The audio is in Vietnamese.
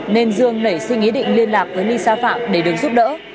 nên dương nảy sinh ý định liên lạc với lisa phạm để được giúp đỡ